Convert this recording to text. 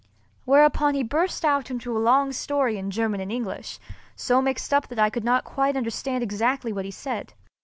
Whereupon he burst out into a long story in German and English, so mixed up that I could not quite understand exactly what he said.